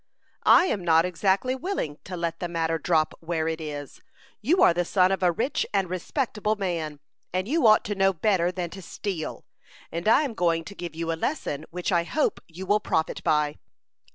"I am not exactly willing to let the matter drop where it is. You are the son of a rich and respectable man, and you ought to know better than to steal; and I am going to give you a lesson which I hope you will profit by."